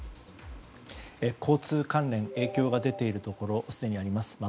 交通関連影響が出ているところすでにあります。